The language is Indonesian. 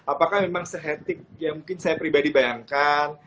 apakah memang sehetik yang mungkin saya pribadi bayangkan